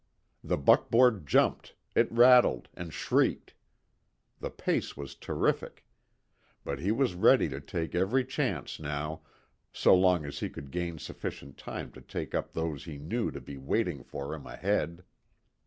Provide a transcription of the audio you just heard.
The buckboard jumped, it rattled and shrieked. The pace was terrific. But he was ready to take every chance now, so long as he could gain sufficient time to take up those he knew to be waiting for him ahead.